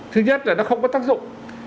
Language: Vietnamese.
thứ nhất là nó không có tác dụng